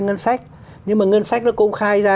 ngân sách nhưng mà ngân sách nó công khai ra